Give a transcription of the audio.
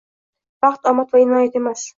Baxt omad va inoyat emas